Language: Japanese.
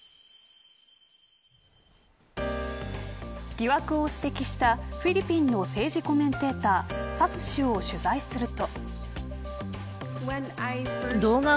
疑惑を指摘したフィリピンの政治コメンテーターサス氏を取材すると。